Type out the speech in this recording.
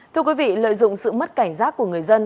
thưa quý vị lợi dụng sự mất cảnh giác của người dân